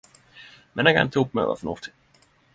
Men eg endte opp med å vere fornuftig.